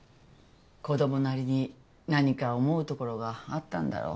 子供なりに何か思うところがあったんだろ。